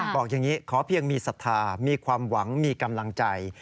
บอกอย่างนี้ขอเพียงมีศรัทธามีความหวังมีกำลังใจ